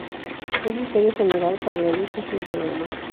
Es vicario general para la diócesis de Roma.